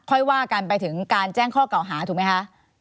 ว่ากันไปถึงการแจ้งข้อเก่าหาถูกไหมคะ